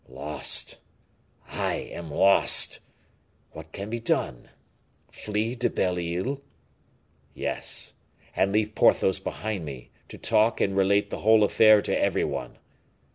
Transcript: Lost! I am lost! What can be done? Flee to Belle Isle? Yes, and leave Porthos behind me, to talk and relate the whole affair to every one!